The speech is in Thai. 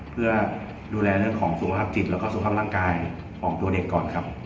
เพื่อดูแลเรื่องของสุขภาพจิตแล้วก็สุขภาพร่างกายของตัวเด็กก่อนครับ